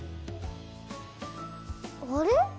あれ？